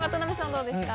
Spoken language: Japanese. どうですか？